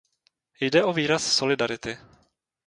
Jde o výraz solidarity.